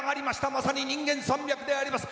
まさに人間山脈であります！